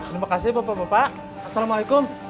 terima kasih bapak bapak assalamualaikum